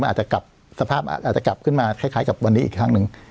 อาจจะกลับสภาพอาจจะกลับขึ้นมาคล้ายกับวันนี้อีกครั้งหนึ่ง